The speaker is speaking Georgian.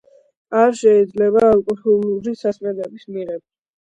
არ შეიძლება ალკოჰოლური სასმელების მიღება.